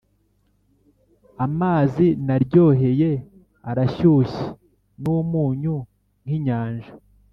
amazi naryoheye arashyushye numunyu, nkinyanja,